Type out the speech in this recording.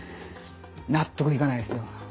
納得いかないですよ。